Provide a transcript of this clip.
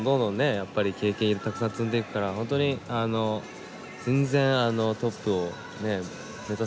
やっぱり経験たくさん積んでいくから本当に全然トップをね目指せる。